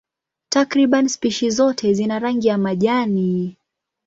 Takriban spishi zote zina rangi ya majani.